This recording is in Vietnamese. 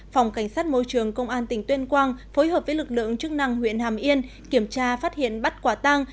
phòng cảnh sát môi trường công an tỉnh tuyên quang phối hợp với lực lượng chức năng huyện hàm yên kiểm tra phát hiện bắt quả tang